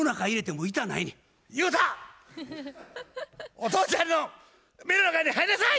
お父ちゃんの目の中に入んなさい！